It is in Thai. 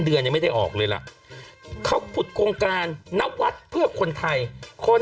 เดือนยังไม่ได้ออกเลยล่ะเขาขุดโครงการนวัดเพื่อคนไทยคน